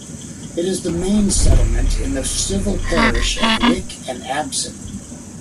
It is the main settlement in the civil parish of Wick and Abson.